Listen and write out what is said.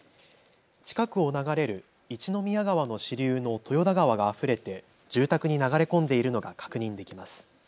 近くを流れる一宮川の支流の豊田川があふれて住宅に流れ込んでいるのが確認できます。